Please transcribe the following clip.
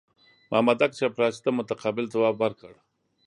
مامدک چپړاسي ته متقابل ځواب ورکړ.